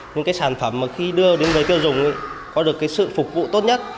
những cái sản phẩm mà khi đưa đến người tiêu dùng có được cái sự phục vụ tốt nhất